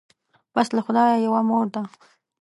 پس له خدایه یوه مور ده